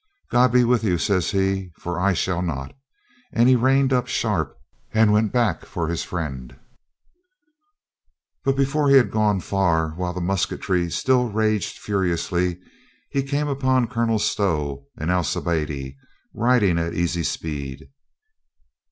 "God be with you," says he, "for I shall not." And he reined up sharp and went back for his friend. lOO COLONEL GREATHEART But before he had gone far, while the musketry still raged furiously, he came upon Colonel Stow and Alcibiade riding at easy speed.